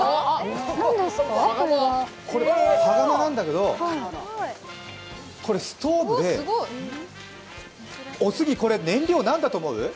これ、羽釜なんだけどストーブで、おスギ、これ燃料何だと思う？